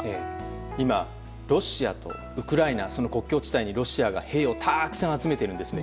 今、ロシアとウクライナその国境地帯にロシアが兵をたくさん集めているんですね。